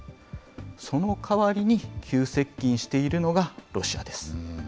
その代わりに、急接近しているのがロシアです。